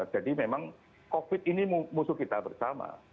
jadi memang covid ini musuh kita bersama